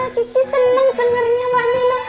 wah kiki senang dengarnya pak nino